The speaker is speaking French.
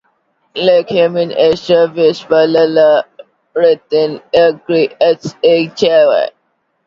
La commune est traversée par la la reliant à Gray et à Gy.